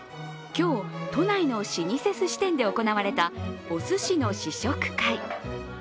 今日、都内の老舗すし店で行われたおすしの試食会。